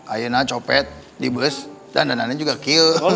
ayunan copet di bus dan dananya juga kill